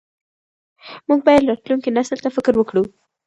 موږ باید راتلونکي نسل ته فکر وکړو.